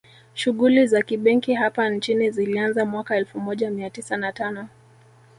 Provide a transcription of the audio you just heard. Shughuli za kibenki hapa nchini zilianza mwaka elfu moja mia tisa na tano